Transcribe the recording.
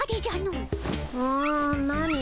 ん何？